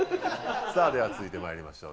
さぁでは続いてまいりましょう。